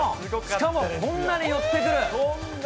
しかも、こんなに寄ってくる。